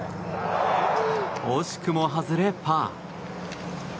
惜しくも外れ、パー。